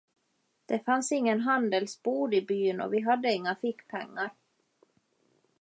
Det fanns ingen handelsbod i byn och vi hade inga fickpengar.